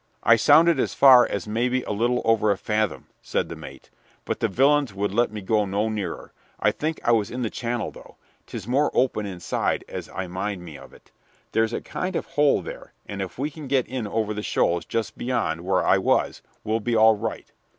"I sounded as far as maybe a little over a fathom," said the mate, "but the villains would let me go no nearer. I think I was in the channel, though. 'Tis more open inside, as I mind me of it. There's a kind of a hole there, and if we get in over the shoals just beyond where I was we'll be all right."